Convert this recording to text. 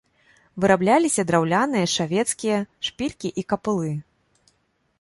Вырабляліся драўляныя шавецкія шпількі і капылы.